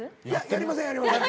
やりませんやりません。